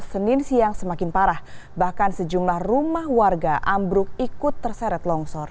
senin siang semakin parah bahkan sejumlah rumah warga ambruk ikut terseret longsor